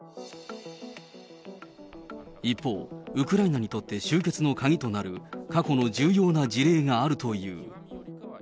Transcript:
一方、ウクライナにとって終結の鍵となる、過去の重要な事例があるという。